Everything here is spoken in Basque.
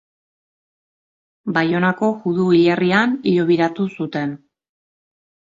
Baionako judu hilerrian hilobiratu zuten.